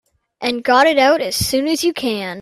And got it out as soon as you can.